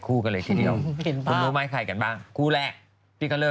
กลัวว่าผมจะต้องไปพูดให้ปากคำกับตำรวจยังไง